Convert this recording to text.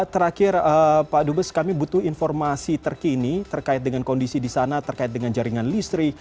terakhir pak dubes kami butuh informasi terkini terkait dengan kondisi di sana terkait dengan jaringan listrik